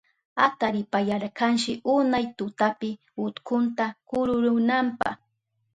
Ataripayarkashi unay tutapi utkunta kururunanpa.